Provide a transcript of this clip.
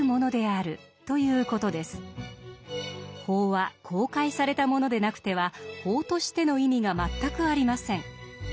法は公開されたものでなくては法としての意味が全くありません。